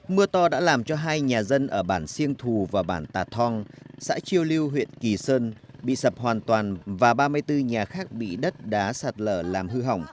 mưa to đã làm cho hai nhà dân ở bản siêng thù và bản tà thong xã chiêu lưu huyện kỳ sơn bị sập hoàn toàn và ba mươi bốn nhà khác bị đất đá sạt lở làm hư hỏng